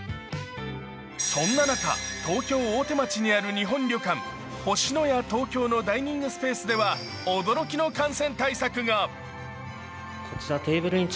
そんな中、東京・大手町にある日本旅館・星のや東京のダイニングスペースでは驚きの感染対策が。